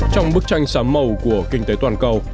trong bức tranh sám màu của kinh tế toàn cầu